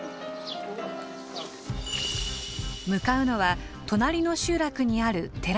向かうのは隣の集落にある寺です。